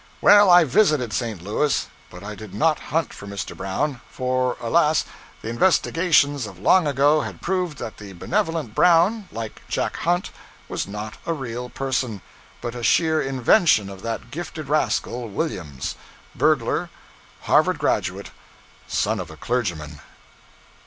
Well, I visited St. Louis, but I did not hunt for Mr. Brown; for, alas! the investigations of long ago had proved that the benevolent Brown, like 'Jack Hunt,' was not a real person, but a sheer invention of that gifted rascal, Williams burglar, Harvard graduate, son of a clergyman.